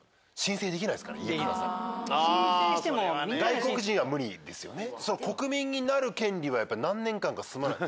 外国人は無理ですよね。